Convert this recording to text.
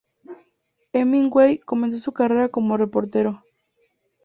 Hemingway comenzó su carrera como reportero.